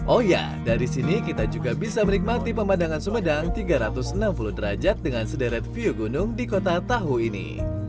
oh ya dari sini kita juga bisa menikmati pemandangan sumedang tiga ratus enam puluh derajat dengan sederet view gunung di kota tahu ini